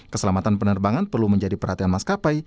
keselamatan penerbangan perlu menjadi perhatian mas kapai